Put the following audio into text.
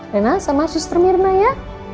rena sama suster mirna ya